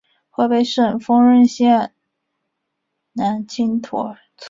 河北省丰润县南青坨村人。